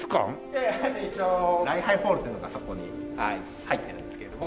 いやいや一応礼拝ホールっていうのがそこにはい入ってるんですけれども。